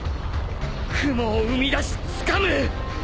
雲を生み出しつかむ。